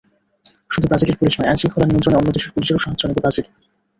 শুধু ব্রাজিলের পুলিশ নয়, আইনশৃঙ্খলা নিয়ন্ত্রণে অন্য দেশের পুলিশেরও সাহায্য নেবে ব্রাজিল।